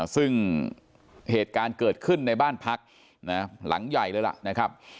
ซึ่งเหตุการณ์เกิดขึ้นในบ้านพักหลังใหญ่เลยล่ะนะครับ